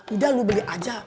udah lu beli aja